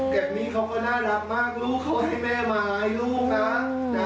แบบนี้เขาก็น่ารักมากลูกขอให้แม่มาให้ลูกนะ